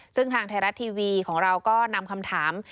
ซึ่งทางไทยรัฐทีวีของเราก็นำคำถาม